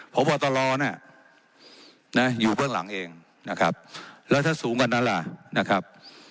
พบตรน่ะนะอยู่เบื้องหลังเองนะครับแล้วถ้าสูงกว่านั้นล่ะนะครับ